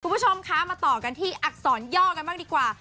คุณผู้ชมคะมาต่อกันที่อักษรย่อกันบ้างดีกว่า